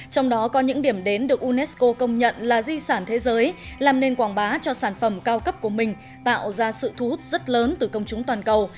trong đó có những điểm đến được unesco công nhận là di sản thế giới làm nên quảng bá cho sản phẩm cao cấp của mình tạo ra sự thu hút rất lớn từ công chúng toàn cầu